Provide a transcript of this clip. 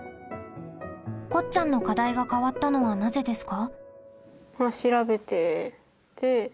こっちゃんの課題が変わったのはなぜですか？